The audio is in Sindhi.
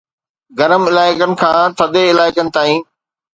گرم علائقن کان ٿڌي علائقن تائين